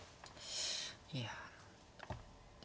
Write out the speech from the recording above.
いや。